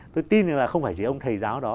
tôi tin rằng là không phải chỉ ông thầy giáo đó